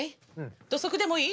土足でもいい？